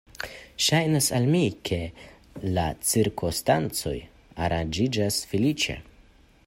Ŝajnas al mi, ke la cirkonstancoj aranĝiĝas feliĉe.